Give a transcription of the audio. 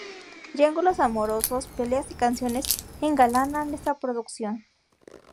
Triángulos amorosos, peleas y canciones engalanan esta producción.